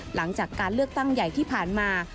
หลังจากการเลือกตั้งใหญ่ที่ผ่านมา